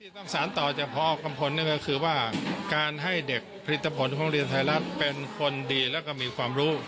ข้อสามต่อจากผอกัมพลว่าการให้เด็กผลิตผลคลิปไทยรัฐเป็นคนดีและก็มีความรู้